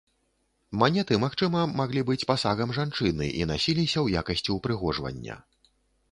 Манеты магчыма маглі быць пасагам жанчыны, і насіліся ў якасці ўпрыгожвання.